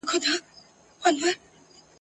د غوايي تشو رمباړو تښتولی ..